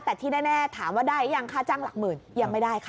แต่ที่แน่ถามว่าได้หรือยังค่าจ้างหลักหมื่นยังไม่ได้ค่ะ